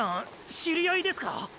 知り合いですか？